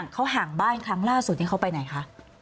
เขาห่างบ้านครั้งล่าสุดนี้เขาไปไหนคะ